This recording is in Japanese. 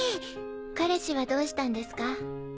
彼氏はどうしたんですか？